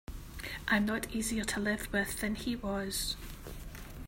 I'm not easier to live with than he was.